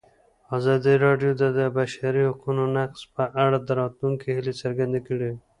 ازادي راډیو د د بشري حقونو نقض په اړه د راتلونکي هیلې څرګندې کړې.